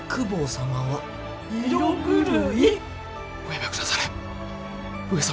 おやめ下され上様。